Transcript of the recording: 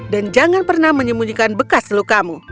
dan jangan pernah menyembunyikan bekas lukamu